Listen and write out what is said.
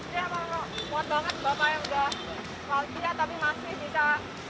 ini yang muat banget bapak yang sudah